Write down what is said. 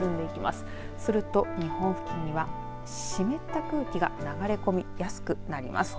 すると、日本付近には湿った空気が流れ込みやすくなります。